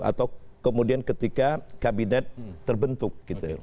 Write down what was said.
atau kemudian ketika kabinet terbentuk